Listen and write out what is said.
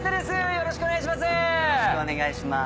よろしくお願いします。